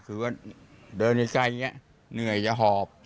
คือว่าเดินไกลเนื่อยจะหอบ